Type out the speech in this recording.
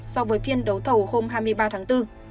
so với phiên đấu thầu hôm hai mươi ba tháng bốn